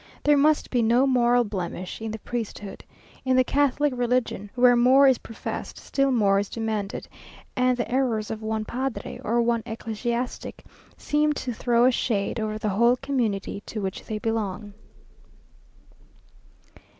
There must be no moral blemish in the priesthood. In the Catholic religion, where more is professed, still more is demanded, and the errors of one padre or one ecclesiastic seem to throw a shade over the whole community to which they belong.